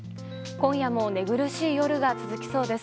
今夜も寝苦しい夜が続きそうです。